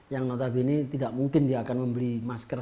yang notabene tidak mungkin dia akan membeli masker